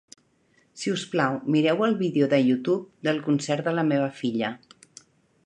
Si us plau, mireu el vídeo de Youtube del concert de la meva filla.